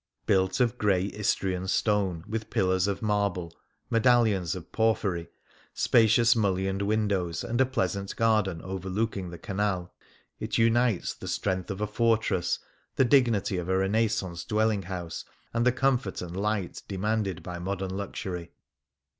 Built of grey Istrian stone, with pillars of marble, medallions of porphyry, spacious mul lioned windows, and a pleasant garden over looking the Canal, it unites the strength of a fortress, the dignity of a Renaissance dwelling house, and the comfort and light demanded by modern luxury.